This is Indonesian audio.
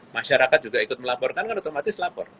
masyarakat juga ikut melaporkan kan otomatis lapor